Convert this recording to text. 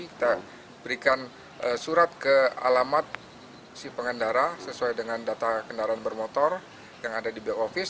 kita berikan surat ke alamat si pengendara sesuai dengan data kendaraan bermotor yang ada di back office